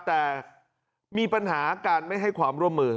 แต่มีปัญหาการไม่ให้ความร่วมมือ